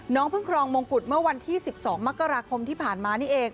เพิ่งครองมงกุฎเมื่อวันที่๑๒มกราคมที่ผ่านมานี่เอง